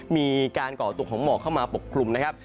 มีการก่อตัวของหมอกเข้ามาปกคลุมนะครับ